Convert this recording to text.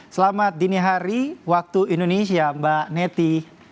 selamat dini hari waktu indonesia mbak neti